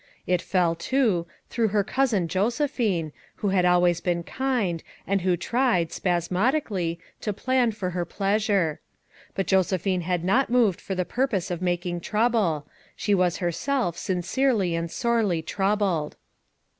It fell, too, through her cousin Josephine, who bad always been kind, and who tried, spasmod ically, to plan for her pleasure. But Joseph ine bad not moved for the purpose of mak ing trouble; she was herself sincerely and sorely troubled.